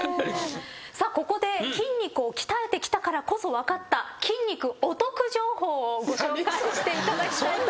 ここで筋肉を鍛えてきたからこそ分かった筋肉お得情報をご紹介していただきたいと思います。